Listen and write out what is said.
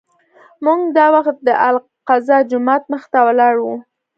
موږ دا وخت د الاقصی جومات مخې ته ولاړ وو.